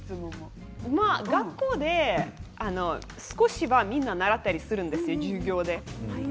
学校で少しはみんな習ったりするんですよ、授業で。